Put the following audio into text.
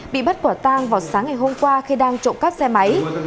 bị bắt quả tang vào sáng ngày hôm qua khi đang trộm cắp xe máy